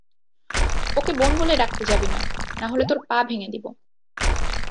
ওকে বোন বলে ডাকতে যাবি না, না হলে তোর পা ভেঙ্গে দিব।